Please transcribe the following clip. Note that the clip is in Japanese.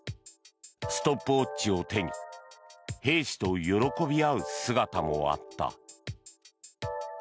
ストップウォッチを手に兵士と喜び合う姿もあった。